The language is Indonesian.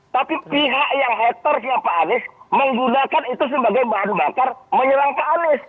tapi pihak yang hatersnya pak anies menggunakan itu sebagai bahan bakar menyerang pak anies